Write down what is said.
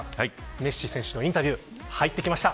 メッシ選手のインタビュー入ってきました。